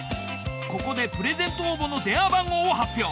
ここでプレゼント応募の電話番号を発表。